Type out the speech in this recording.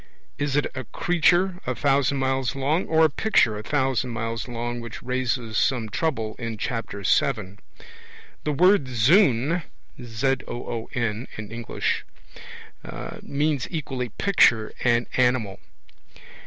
Is it a 'creature' a thousand miles long, or a 'picture' a thousand miles long which raises some trouble in Chapter VII? The word zoon means equally 'picture' and 'animal'.